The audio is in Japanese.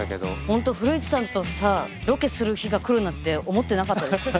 本当、古市さんとさロケする日が来るなんて思ってなかったです。